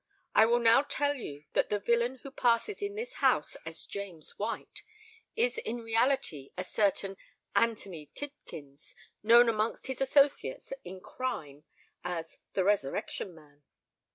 I will now tell you that the villain who passes in this house as James White is in reality a certain Anthony Tidkins, known amongst his associates in crime as the Resurrection Man."